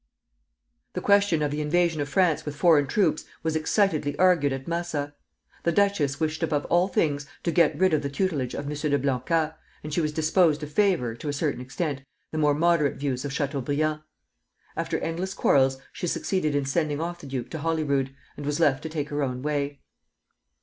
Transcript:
The question of the invasion of France with foreign troops was excitedly argued at Massa. The duchess wished above all things to get rid of the tutelage of M. de Blancas, and she was disposed to favor, to a certain extent, the more moderate views of Chateaubriand. After endless quarrels she succeeded in sending off the duke to Holyrood, and was left to take her own way.